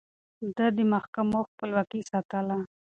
ده د محکمو خپلواکي ساتله.